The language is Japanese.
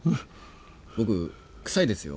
僕臭いですよ。